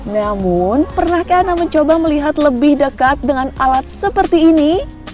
namun pernahkah anda mencoba melihat lebih dekat dengan alat seperti ini